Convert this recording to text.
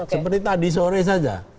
seperti tadi sore saja